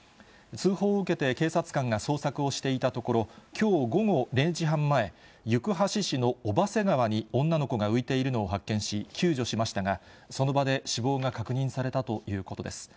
通報を受けて、警察官が捜索をしていたところ、きょう午後０時半前、行橋市の小波瀬川に女の子が浮いているのを発見し、救助しましたが、その場で死亡が確認されたということです。